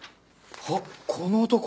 あっこの男。